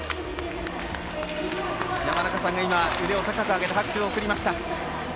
山中さんが、腕を高く上げて拍手を送りました。